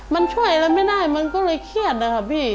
มันช่วยอะไรไม่ได้มันก็เลยเครียดนะคะพี่